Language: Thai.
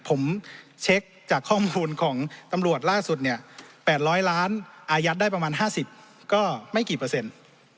ผมเช็คจากข้อมูลของตำรวจล่าสุดเนี่ย๘๐๐ล้านอายัดได้ประมาณ๕๐ก็ไม่กี่เปอร์เซ็นต์